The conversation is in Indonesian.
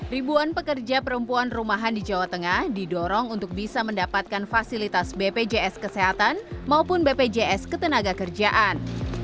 ribuan pekerja perempuan rumahan di jawa tengah didorong untuk bisa mendapatkan fasilitas bpjs kesehatan maupun bpjs ketenaga kerjaan